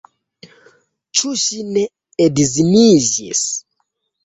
Ĉu ŝi ne edziniĝis?